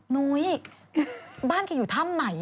นุ้ยบ้านเกี่ยวถ้ามไหน